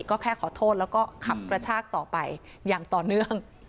ก็แค่ขอโทษแล้วก็ขับกระชากต่อไปอย่างต่อเนื่อง